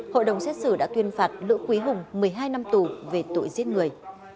hội đồng xét xử đã tuyên phạt lữ quý hùng một mươi hai năm tù về tội giết người